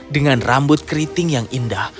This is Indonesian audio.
dengan rambut keriting yang indah